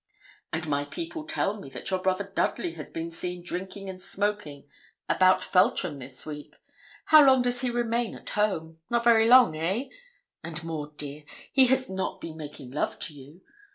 And my people tell me that your brother Dudley has been seen drinking and smoking about Feltram this week. How long does he remain at home? Not very long, eh? And, Maud, dear, he has not been making love to you?